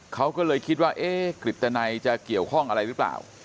เขาก็เลยคิดว่าเอ๊ะกฤตนัยจะเกี่ยวข้องอะไรหรือเปล่า